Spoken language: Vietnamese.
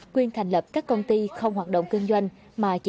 quyền thành lập các công ty không hoạt động cương doanh